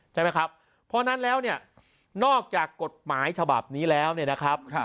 ใช่ไหมครับเพราะฉะนั้นแล้วเนี่ยนอกจากกฎหมายฉบับนี้แล้วเนี่ยนะครับ